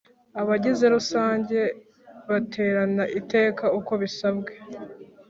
Abagize rusange Baterana iteka uko bisabwe